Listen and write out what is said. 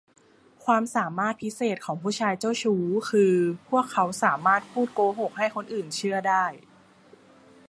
ความสามารถพิเศษของผู้ชายเจ้าชู้คือ พวกเขาสามารถพูดโกหกให้คนอื่นเชื่อได้